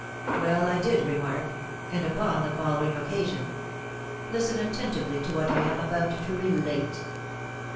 Well, I did remark, and upon the following occasion. Listen attentively to what I am about to relate!